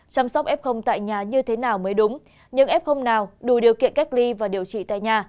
chăm sóc f tại nhà như thế nào mới đúng những f nào đủ điều kiện cách ly và điều trị tại nhà